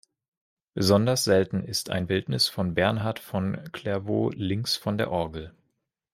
Besonders selten ist ein Bildnis von Bernhard von Clairvaux links von der Orgel.